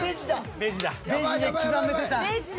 ベジだ。